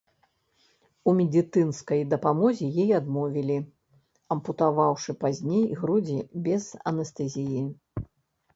У медыцынскай дапамозе ёй адмовілі, ампутаваўшы пазней грудзі без анестэзіі.